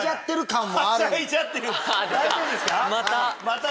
また。